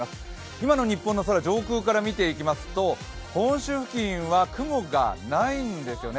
今の日本の空、上空から見ていきますと、本州付近は雲がないんですよね。